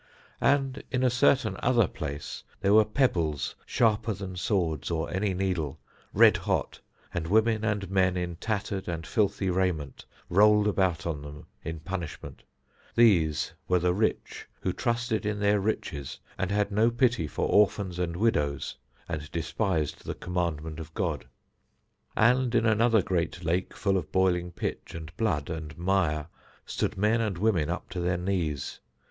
And in a certain other place there were pebbles sharper than swords or any needle, red hot, and women and men in tattered and filthy raiment, rolled about on them in punishment. These were the rich who trusted in their riches and had no pity for orphans and widows and despised the commandment of God. And in another great lake full of boiling pitch and blood and mire stood men and women up to their knees.